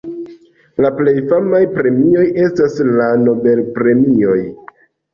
La plej famaj premioj estas la Nobel-premioj.